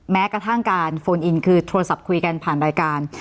แม้กระทั่งการโฟนอินคือโทรศัพท์คุยกันผ่านรายการ